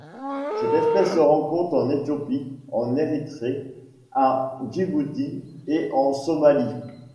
Cette espèce se rencontre en Éthiopie, en Érythrée, à Djibouti et en Somalie.